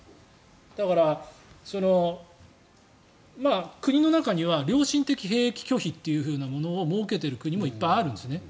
だから、国の中には良心的兵役拒否というものを設けている国もいっぱいあるんですね。